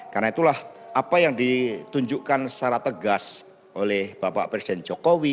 karena itulah apa yang ditunjukkan secara tegas oleh bapak presiden jokowi